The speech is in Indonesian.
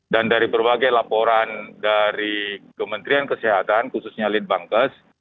dan dari berbagai laporan dari kementerian kesehatan khususnya lead bankers